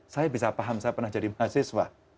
saya bisa paham saya pernah jadi mahasiswa